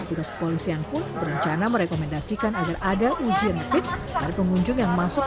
petugas kepolisian pun berencana merekomendasikan agar ada uji rapid dari pengunjung yang masuk